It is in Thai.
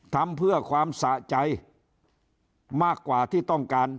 ทำเพื่อความสะใจมากกว่าที่ต้องการ